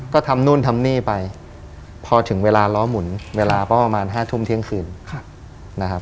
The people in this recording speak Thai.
ก็ทำนู่นทำนี่ไปพอถึงเวลาล้อหมุนเวลาก็ประมาณ๕ทุ่มเที่ยงคืนนะครับ